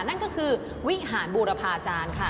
นั่นก็คือวิหารบูรพาจารย์ค่ะ